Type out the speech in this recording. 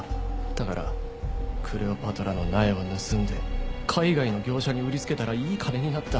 だからクレオパトラの苗を盗んで海外の業者に売りつけたらいい金になった。